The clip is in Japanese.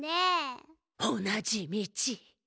同じ道？